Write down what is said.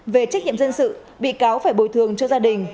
về trách nhiệm dân sự bị cáo phải bồi thường cho gia đình